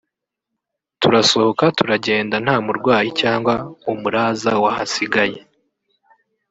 turasohoka turagenda nta murwayi cyangwa umuraza wahasigaye